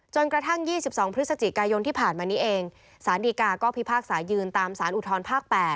กระทั่ง๒๒พฤศจิกายนที่ผ่านมานี้เองสารดีกาก็พิพากษายืนตามสารอุทธรภาค๘